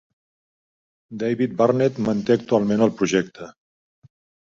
David Barnett manté actualment el projecte.